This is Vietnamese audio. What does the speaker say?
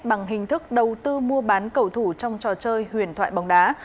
bằng hình thức đầu tư mua bán cầu thủ trong trò chơi huyền thoại bóng đá